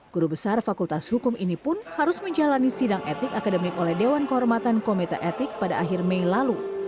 guru besar fakultas hukum ini pun harus menjalani sidang etik akademik oleh dewan kehormatan komite etik pada akhir mei lalu